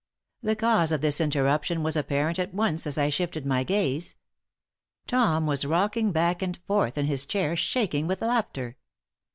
The cause of this interruption was apparent at once as I shifted my gaze. Tom was rocking back and forth in his chair, shaking with laughter.